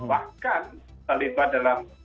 bahkan terlibat dalam